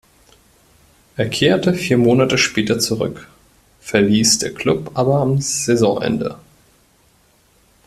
Er kehrte vier Monate später zurück, verließ der Klub aber am Saisonende.